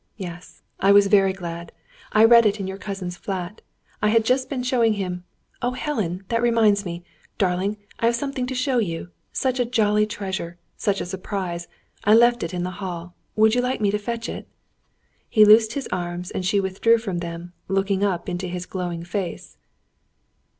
Yes, I was very glad. I read it in your cousin's flat. I had just been showing him oh, Helen! That reminds me darling, I have something to show you! Such a jolly treasure such a surprise! I left it in the hall. Would you like me to fetch it?" He loosed his arms and she withdrew from them, looking up into his glowing face.